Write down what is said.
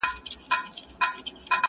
چي خوب ته راسې بس هغه شېبه مي ښه تېرېږي٫